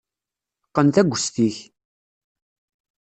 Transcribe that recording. Qqen taggest-ik.